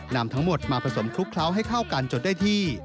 นำทั้งหมดมาผสมคลุกเคล้าให้เข้ากันจนได้ที่